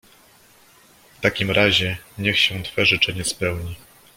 "w takim razie niech się twe życzenie spełni."